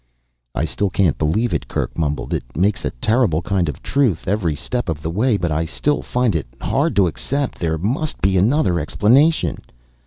"I still can't believe it," Kerk mumbled. "It makes a terrible kind of truth, every step of the way, but I still find it hard to accept. There must be another explanation."